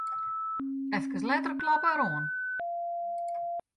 Efkes letter kloppe er oan.